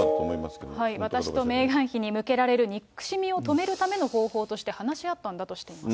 私とメーガン妃に向けられる憎しみを止めるための方法として話し合ったんだとしています。